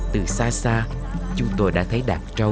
từ xa xa chúng tôi đã thấy đạt trâu